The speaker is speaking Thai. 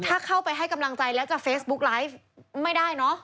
ถ้าเข้าไปให้กำลังใจแล้วจะเฟซบุ๊กไลฟ์ไม่ได้เนอะ